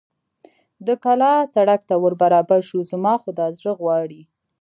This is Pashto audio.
د کلا سړک ته ور برابر شو، زما خو دا زړه غواړي.